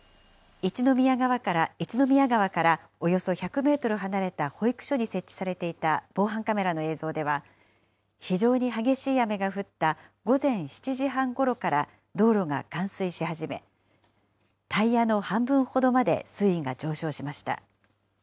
一宮川からおよそ１００メートル離れた保育所に設置されていた防犯カメラの映像では、非常に激しい雨が降った午前７時半ごろから道路が冠水し始め、タイヤの半分ほどまで水位が上昇しました。